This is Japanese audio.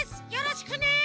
よろしくね。